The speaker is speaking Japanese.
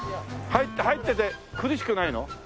入ってて苦しくないの？